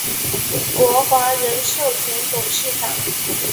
国华人寿前董事长。